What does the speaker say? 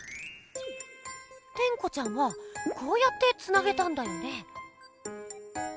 テンコちゃんはこうやってつなげたんだよね？